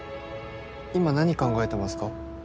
今何考えてますか？